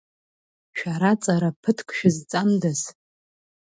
Шәара ҵара ԥыҭк шәызҵандаз!